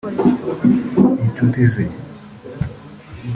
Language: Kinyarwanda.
inshuti ze